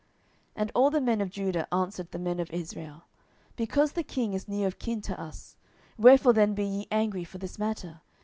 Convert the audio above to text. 10:019:042 And all the men of Judah answered the men of Israel, Because the king is near of kin to us: wherefore then be ye angry for this matter?